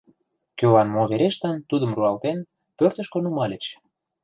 Кӧлан мо верештын, тудым руалтен, пӧртышкӧ нумальыч.